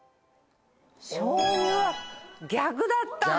しょうゆは逆だったんだ。